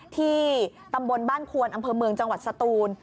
ที่ตำบลบ้านควนอำเภอเมืองจังหวัดสตูน